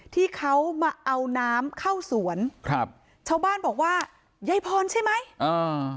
ที่เขามาเอาน้ำเข้าสวนครับชาวบ้านบอกว่ายายพรใช่ไหมอ่า